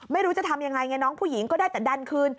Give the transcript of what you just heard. ไม่รู้จะทำยังไงไงน้องผู้หญิงก็ได้แต่ดันคืน